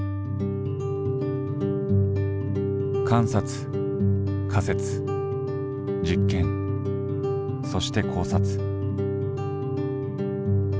観察仮説実験そして考察。